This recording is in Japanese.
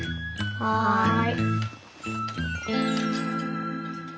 はい。